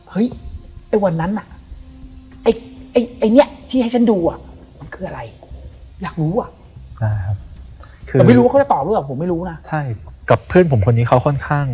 เฮ้ยไอ้วันนั้นน่ะ